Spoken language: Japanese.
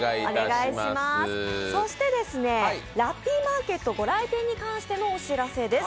そしてラッピーマーケットご来店に関してのお知らせです。